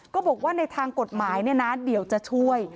ก็บอกว่าในทางกฎหมายเนี่ยนะเดี๋ยวจะช่วย